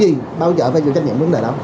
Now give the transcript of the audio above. ban quán lý chợ phải chịu trách nhiệm vấn đề đó